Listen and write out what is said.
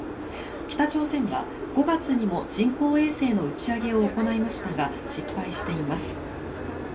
北朝鮮は５月にも人工衛星の打ち上げを行いましたが失敗しています。